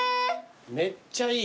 めっちゃいい。